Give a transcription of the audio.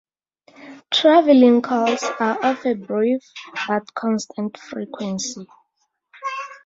Traveling calls are of a brief but constant frequency.